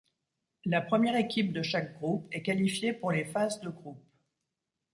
La première équipe de chaque groupe est qualifiée pour les phases de groupes.